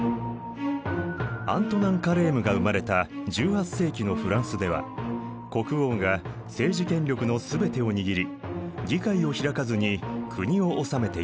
アントナン・カレームが生まれた１８世紀のフランスでは国王が政治権力のすべてを握り議会を開かずに国を治めていた。